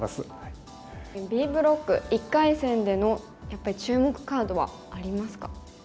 Ｂブロック１回戦でのやっぱり注目カードはありますか？